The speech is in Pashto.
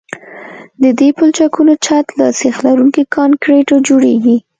د دې پلچکونو چت له سیخ لرونکي کانکریټو جوړیږي